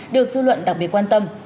được dư luận đặc biệt quan tâm